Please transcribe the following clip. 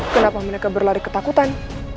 kenapa mereka berlari ketakutan